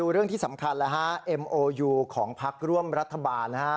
เรื่องที่สำคัญแล้วฮะเอ็มโอยูของพักร่วมรัฐบาลนะฮะ